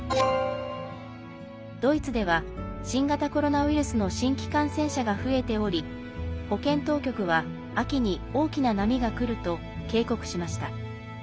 ドイツでは新型コロナウイルスの新規感染者が増えており保険当局は秋に大きな波がくると警告しました。